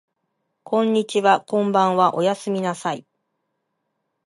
こんにちはこんばんはおやすみなさい